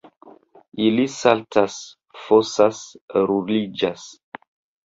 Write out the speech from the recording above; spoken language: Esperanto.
Ili saltas, fosas, ruliĝas.